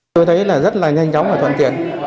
tôi thấy là rất là nhanh chóng và thuận tiện